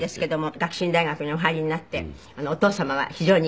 学習院大学にお入りになってお父様は非常に。